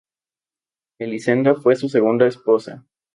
Melisenda fue su segunda esposa.